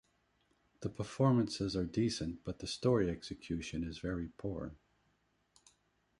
The performances are decent but the story execution is very poor.